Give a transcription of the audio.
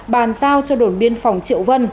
bàn giao cho đồn biên phòng triệu vân